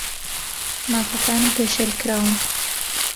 مافەکانم پێشێل کراون.